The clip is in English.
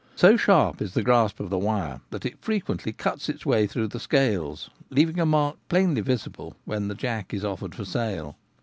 So sharp is the grasp of the wire that it frequently cuts its way through the scales, leaving a mark plainly visible when the jack is offered for sale.